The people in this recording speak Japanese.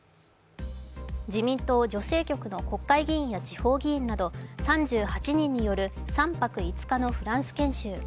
自民党・女性局の国会議員や地方議員など３８人による３泊５日のフランス研修。